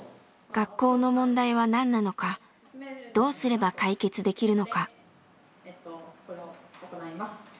学校の問題は何なのかどうすれば解決できるのか？